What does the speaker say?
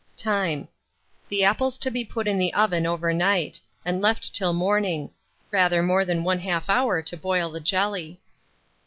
Time. The apples to be put in the oven over night, and left till morning; rather more than 1/2 hour to boil the jelly.